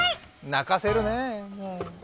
泣かせるねぇ。